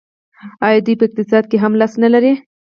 آیا دوی په اقتصاد کې هم لاس نلري؟